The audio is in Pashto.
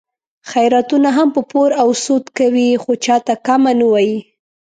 خیراتونه هم په پور او سود کوي، خو چاته کمه نه وایي.